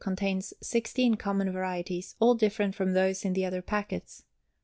Contains 16 common varieties, all different from those in the other packets.